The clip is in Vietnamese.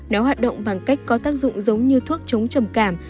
nếu hoạt động bằng cách có tác dụng giống như thuốc chống trầm cảm